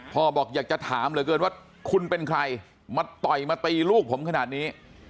บอกอยากจะถามเหลือเกินว่าคุณเป็นใครมาต่อยมาตีลูกผมขนาดนี้